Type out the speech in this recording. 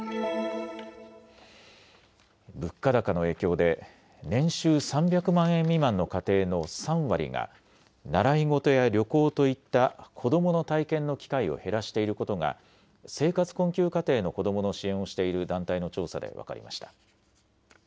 物価高の影響で年収３００万円未満の家庭の３割が習い事や旅行といった子どもの体験の機会を減らしていることが生活困窮家庭の子どもの支援をしている団体の調査で分かりました。